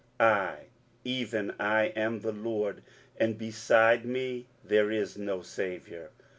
23:043:011 I, even I, am the LORD; and beside me there is no saviour.